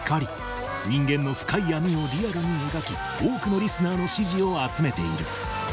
人間の深い闇をリアルに描き多くのリスナーの支持を集めている。